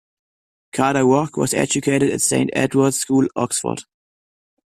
Carter-Ruck was educated at St Edward's School, Oxford.